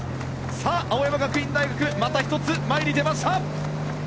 さあ、青山学院大学また１つ前に出ました。